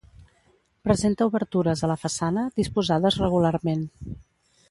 Presenta obertures a la façana disposades regularment.